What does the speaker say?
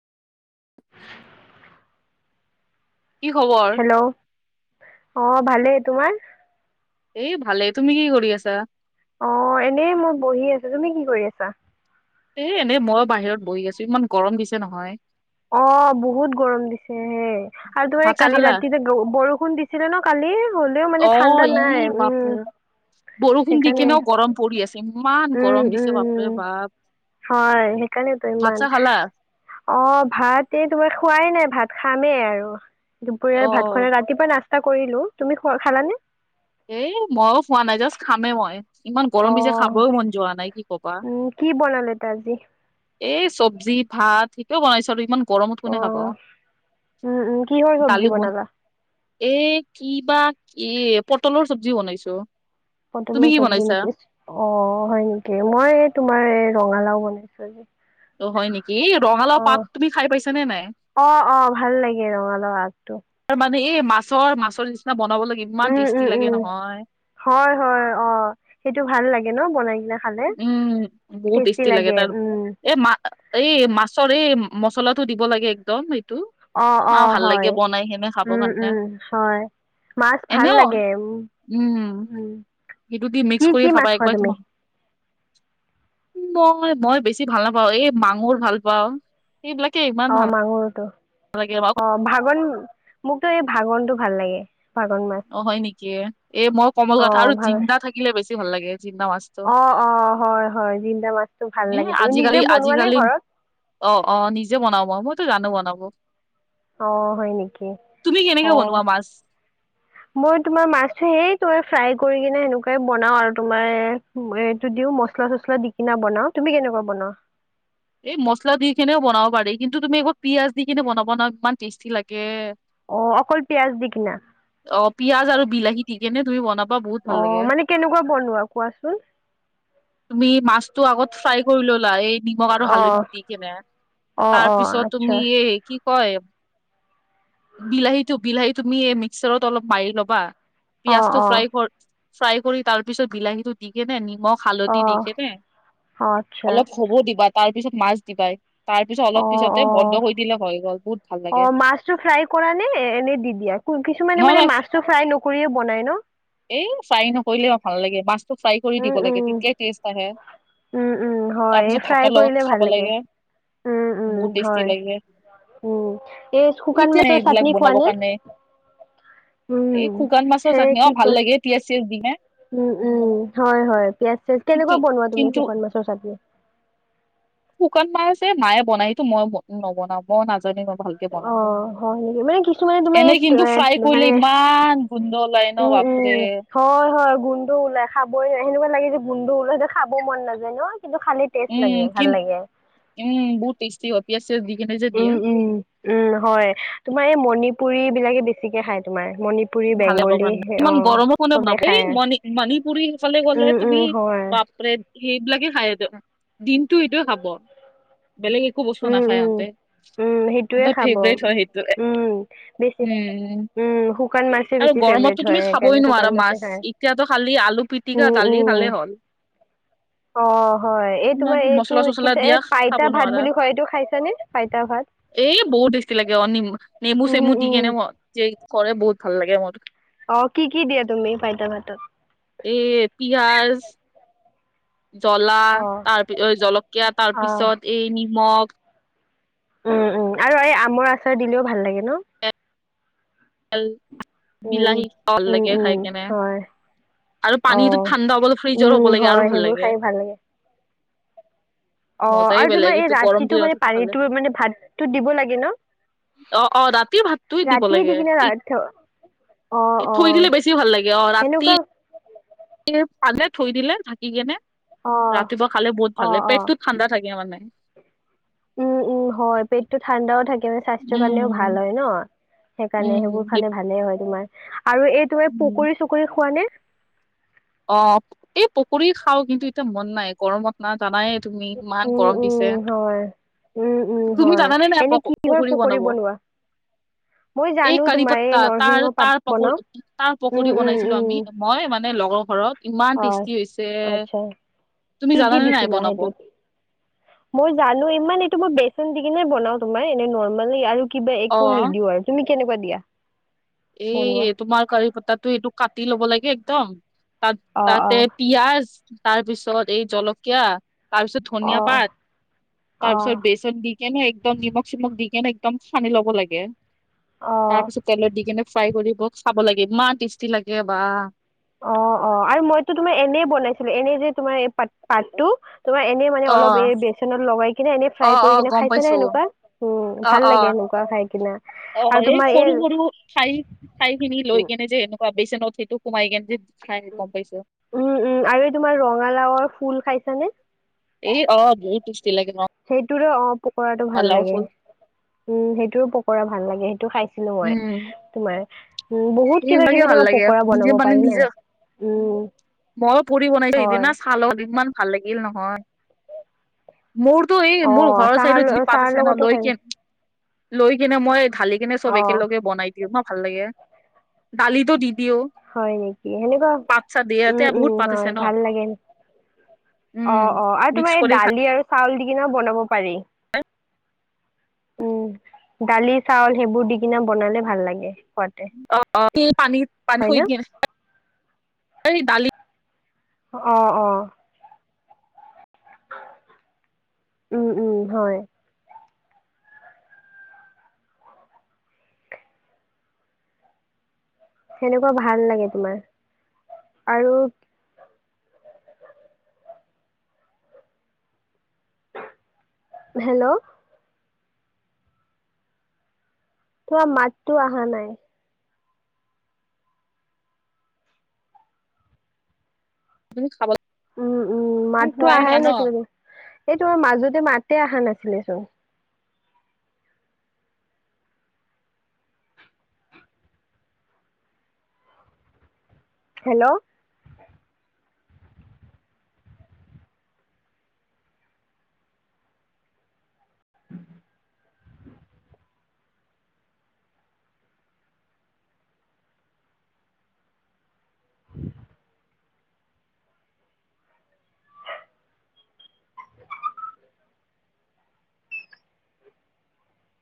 [inaudible] কি খবৰ? হেল্ল'। অ' ভালেই তোমাৰ? এই ভালে। তুমি কি কৰি আছা? অ' এনেই মই বহি আছো, তুমি কি কৰি আছা? এ এনেই মই বাহিৰত বহি আছো, ইমান গৰম দিছে নহয়। অ' বহুত গৰম দিছে হে। আৰু তোমাৰ ভাত চাহ কালি খালা? ৰাতি যে বৰষুণ দিছিলে ন কালি? হ'লেও মানে অ' ঠাণ্ডা ই নাই। উম। বাপৰে বৰষুণ দি সেইকাৰণে কেনেও গৰম পৰি আছে। ইমান উম গৰম উম দিছে বাপৰে বাপ। হয়, সেইকাৰণেতো ভাত ইমান, চাহ খালা? অ' ভা। তাতে তোমাৰ খোৱাই নাই ভাত, খামেই আৰু। দুপৰীয়াৰ ভাত খোৱা অ' নাই ৰাতিপুৱা না। তা কৰিলো, তুমি খা-খালানে? এ ময়ো খোৱা নাই। জাষ্ট খামে মই, ইমান গৰম অ পিছে খাবয়ে মন যোৱা নাই। কি ক'বা। উম কি বনালে তা আজি? এই চব্জি ভাত সেইটোৱে বনাইছো, আৰু ইমান। গৰমত অ কোনে খাব? উম উম কিহৰ চব্জি দালি বন। বনালা এ কিবা এ পটলৰ চব্জি বনাইছো। তুমি পটলৰ কি চব্জি বনাইছা? নেকি? অ' হয় নেকি? মই তোমাৰ। ৰঙালাও বনাইছো আজি। অ' হয় নেকি? এই ৰঙালাও অ পাত তুমি খাই পাইছানে নাই। অ অ ভাল লাগে ৰঙালাও আগটো। তাৰমানে এই মাছৰ, মাছৰ নিচিনা বন। উম উম উম, হয় হয়, অ' সেইটো ভাল লাগে ন বনাই। কিনে খালে। উম, বহুত টেষ্টি লাগে তাৰ, এ মা এই মাছৰ এই মছলাটো দিব লাগে একদম। টো, অ অ আও ভাল হয় লাগে বনাই কেনে খাব উম কাৰণে। উম হয়। মাছ ভাল এনেও লাগে উম উম। সেইটো দি মিক্স কি কৰি কি খাবা, মাছ খোৱা একবাৰ তুমি? তোমাক। মই মই বেছি ভাল নাপাওঁ এই মাঙুৰ ভাল পাওঁ। এইবিলাকে ইমান ভাল অ' মাগুৰটো। নালাগে অ' ভাঙন মোকতো এই ভাঙনটো ভাল লাগে। ভাগন মাছ। অ' হয় নেকি? এ মই কমল অ কথা আৰু ভাগন জিন্দা থাকিলে বেছি ভাল লাগে। জিন্দা মাছটো অ' অ' হয় হয়। জিন্দা মাছটো ভাল এ লাগে। তুমি আজিকালি নিজে বনোৱা নে আজিকালি ঘৰত? অ' অ' নিজে বনাব, মইতো জানো বনাব। অ', হয় নেকি? তুমি কেনেকে অ'। বনোৱা মাছ? মই তোমাৰ মাছটো সেই তোমাৰ ফ্ৰাই কৰি কিনে সেনেকুৱাই বনাও। আৰু তোমাৰ এইটো দিও ম। মচলা-চচলা দি কেনে বনাও। তুমি কেনেকুৱা বনোৱা? এই মছলা দি কেনেও বনাব পাৰি, কিন্তু তুমি একবাৰ পিয়াঁজ দি কিনে বনাব না ইমান টেষ্টি লাগে। অ অকল পিয়াজ দি কিনা অ' পিয়াঁজ আৰু বিলাহী দি কেনে তুমি বনা। অ' মানে কেনেকুৱা বনোৱা কোৱাচোন। তুমি মাছটো আগত ফ্ৰাই কৰি ল'লা, এই নিমখ। আৰু অ হালধি দি কিনে, অ তাৰ অ পিছত তুমি আচ্ছা এই কি। কি কয়? বিলাহীটো বিলাহী তুমি এই মিক্সাৰত অলপ মাৰি ল'বা। অ পিয়াঁজটো অ ফ্ৰাই কৰ, ফ্ৰাই কৰি তাৰ পিছত বিলাহীটো দি কেনে নি। মখ-হালধি অ দি কেনে অ আচ্ছা অলপ হ'ব দিবা, তাৰ পিছত মাছ দিবা। তাৰ পিছত অলপ অ পিছতে অ বন্ধ কৰি দিলে হৈ গ'ল, বহুত ভাল অ লাগে। মাছটো ফ্ৰাই কৰা নে এনে দি দিয়া কিছুমানে নহয় মানে নহয় মাছটো ফ্ৰাই নকৰিয়ে বনাই ন? এই ফ্ৰাই নকৰিলে কিবা ভাল না, মাছটো ফ্ৰাই কৰি উম দিব লাগে উম তেতিয়াই টেষ্ট আহে। উম উম, হয় এই ফাই। ত খাব লাগে, বহুত টেষ্টি হয়। লাগে। উম এই শুকান মাছৰ এইবিলাক চাটনি খোৱা বনাব নে? কাৰণে। উম, এই শুকান মাছৰ সেই চাটনি, কি অ' ভাল কয় লাগে পিয়াঁজ-চিয়াজ দিমে উম উম, হয় হয়। পিয়াঁজ-চিয়াজ, কিন্তু কেনেকুৱা বনোৱা তুমি কিন্তু শুকান মাছৰ চাটনি? শুকান মাছ যে মায়ে বনাইটো মই নবনাও মই নাজানো তই অ', হয় নেকি মানে কিছুমানে তোমাৰ এনে এই কিন্তু ফাই এ কৰিলে মানে ইমান গোন্ধ ওলায় উম উম হয় হয় গোন্ধ ওলাই খাবই সেনেকুৱা লাগি য গোন্ধ তো ওলাই যে খাব মন নাযায় ন কিন্তু খালি টেষ্ট উম লাগে কি ভাল লাগে উম বহুত টেষ্টি হয় পিয়াজ চিয়াজ দি কেনে যে উম দিয়ে উম উম হয় তোমাৰ এই মণিপুৰি বিলাকে বেছিকে খাই তোমাৰ মণিপুৰী ভাল হব বেংগলী কাৰ নাই অ ইমান গৰমত কোনে চবে বনাব এই খায় মণি মণিপুৰী ফালে উম গ'লে তুমি উম হয় বাপৰে সেইবিলাকে খায় দিনটো সিটো খাব বেলেগ একো বস্তু উম নাখায় উম সিহঁতে উম সেইটোয়ে খাব ফেভৰেট হয় সেইটোৱে উম বেছি উম উম শুকান মাছে আৰু বেছি ফেভৰেট গৰমতটো তুমি হয় খাবই সেইকাৰণে নোৱাৰা শুকান মাছে মাছ খায় এতিয়াতো খালি আলু পিটিকা উম দালি উম খালেই হ'ল। [inaudible] অ হয় এই ইমান তোমাৰ এইটো মচলা কি চচলা দিয়া এই খাব পাইতা ভাত বুলি হয় তো খাইছা নে পইতা ভাত এ বহুত টেষ্টি লাগে অ নেমু উম চেমু দি উম কেনে ম যে কৰে বহুত ভাল লাগে মোৰ অ কি কি দিয়া তুমি পইতা ভাতত? এ পিয়াজ জলা অ তাৰপি জলকীয়া তাৰ অ পিছত, এই নিমখ উম উম আৰু এই আমৰ আচাৰ দিলেও ভাল লাগে ন? তেল উম, বিলাহী ভাল উম, উম, লাগে উম খাই কেনে হয় আৰু পানীটো অ', ঠাণ্ডা হ'ব লাগে ফ্ৰিজৰ হ'ব উম, লাগে হয় আৰু ভাল সেইবোৰ লাগে। খাই অ মজাই আৰু বেলেগ তোমাৰ এই এইটো গৰম ৰাতিটো দিনত মানে সেইটো খালে পানীটো মানে ভাততো দিব লাগে ন? অ অ ৰাতিৰ ভাতটো দিব ৰাতিয়ে দি লাগে কিনে ৰা থ- অ', ই থৈ অ', দিলে বেছি ভাল লাগে অ সেনেকুৱা ৰাতি সে পালে থৈ দিলে ঢাকি কেনে অ', ৰাতিপুৱা খালে বহুত ভাল অ', লাগে অ', পেটটোত ঠাণ্ডা থাকে মানে উম উম হয় পেটটো ঠাণ্ডাও থাকে মানে স্বাস্থ্যৰ কাৰণেও ভাল উম হয় ন? সেইকাৰণে উম সেইবোৰ সি- খালে ভালে হয় তোমাৰ আৰু এই তোমাৰ উম পকৰি চকৰি খোৱা নে অ এই পকুৰী খাও কিন্তু এতিয়া মন নাই গৰমত না জানাই তুমি ইমান উম, গৰম উম, দিছে হয়। উম, উম, তুমি হয় জানানে নাই এনে প কিহৰ পকৰী বনাব বনোৱা? মই এই জানো কাৰি তোমাৰ পট্টা এই নৰসিংহ তাৰ পাত তাৰ পক বনাও। তাৰ উম, পকৰী বনাইছিলো আমি মই মানে লগৰ ঘৰত ইমান অ টেষ্টি হৈছে আচ্ছা তুমি কি কি জানানে নাই দিছিলা বনাব সেইটোত? মই জানো ইমান এইটো মোৰ বেছি বেচন দি কিনে বনাও তোমাৰ এনে নৰ্মেলি আৰু কিবা অ একো নিদিও আৰু তুমি কেনেকোৱা দিয়া এ বনোৱা? তোমাৰ কাৰি পতাটো এইটো কাটি ল'ব লাগে একদম তাত অ', তাতে অ', পিয়াজ তাৰপিছত এই জলকীয়া তাৰপিছত ধনিয়া অ', পাত, অ', তাৰপিছত অ', বেচন দি কেনে একদম নিমখ চিমখ দি কেনে একদম সানি ল'ব লাগে, তাৰপিছত তেলত দি কিনে ফ্ৰাই কৰিব খাব লাগে ইমান টেষ্টি লাগে বা। অ অ আৰু মইতো তোমাৰ এনে বনাইছিলো এনে যে তোমাৰ এই প পাতটো, তোমাৰ এনেই অ মানে অলপ এ বেচনত লগাই কিনে এনে অ ফ্ৰাই কৰি অ কিনে গম খাইছে নে পাইছো এনেকোৱা উম অ ভাল অ লাগে এনেকুৱা খাই কিনা অ আৰু এই তোমাৰ সৰু সৰু ঠাই ঠাইখিনি লৈ কেনে যে ভাবিছে ন সেইটোও সোমাই গেঞ্জি ত উম উম আৰু এই তোমাৰ ৰঙালাওৰ ফুল খাইছানে এই অ বৰ টেষ্টি লাগে অ সেইটোৰে অ', পকৰাটো ভাল লাগে উম সেইটোৰো পকৰা ভাল লাগে সেই টো খাইছিলো মই তোমাৰ উম, বহুত কিবা এইভাগে কিবি ভাল তোমাৰ লাগে পকৰা নিজে বনাব মানে পাৰি ন। নিজে উম, মইয়ো পুৰি বনাইছো হয়। সিদিনা চালৰ ইমান ভাল লাগিল নহয়। মোৰতো এই, মোৰ অ', ঘৰৰ চাহৰ চাইডত যি ল- পাত চাহৰ আছে ন লগতো খাই লৈকে। লৈ কিনে মই ঢালি কিনে চব অ', একেলগে বনাই দিওঁ ন ভাল লাগে, দালিতো দি। দিও হয় নেকি? সেনেকুৱা পাত চাত দিয়ে ইয়াতে উম বহুত উম, পাত আছে হয়, ন ভাল লাগে। উম অ' অ' আৰু মিক্স তোমাৰ এই কৰি খা দালি আৰু চাউল দি কেনেও বনাব পাৰি। উম, দালি-চাউল সেইবোৰ দি কিনে বনালে ভাল লাগে। খোৱাতে পানী [unintelligible] হয় শুই ন। কেনি, [unintelligible] দালি অ' অ'। উম উম, হয়। সেনেকুৱা ভাল লাগে তোমাৰ, আৰু। হেল্ল'। তোমাৰ মাততো অহা নাই। তুমি খাবলে উম উম, মাততো অহাই নাছিল। এই তোমাৰ মাজত। মাতে অহা নাছিলেচোন। হেল্ল'। [inaudible] [inaudible]